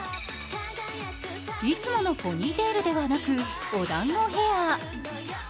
いつものポニーテールではなくお団子ヘア。